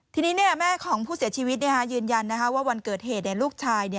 ทีนี้แม่ของผู้เสียชีวิตยืนยันว่าวันเกิดเหตุลูกชาย